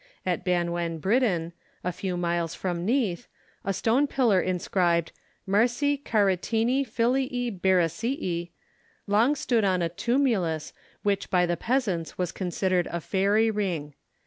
At Banwan Bryddin, a few miles from Neath, a stone pillar inscribed 'MARCI CARITINI FILII BERICII,' long stood on a tumulus which by the peasants was considered a fairy ring.